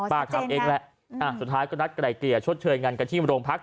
ทำเองแหละสุดท้ายก็นัดไกลเกลี่ยชดเชยงานกันที่โรงพัก